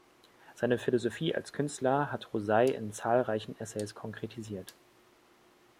Seine Philosophie als Künstler hat Rosei in zahlreichen Essays konkretisiert.